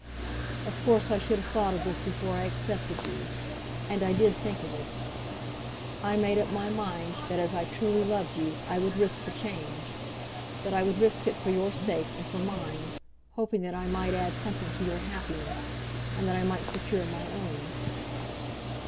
Of course I should have thought of this before I accepted you; and I did think of it. I made up my mind that, as I truly loved you, I would risk the change; that I would risk it for your sake and for mine, hoping that I might add something to your happiness, and that I might secure my own.